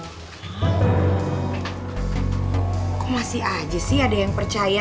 kok masih aja sih ada yang percaya